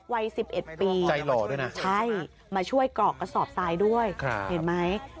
วัย๑๑ปีใช่มาช่วยกรอกกสอบซ้ายด้วยเห็นไหม